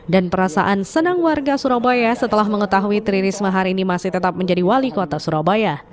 dan perasaan senang warga surabaya setelah mengetahui tri risma hari ini masih tetap menjadi wali kota surabaya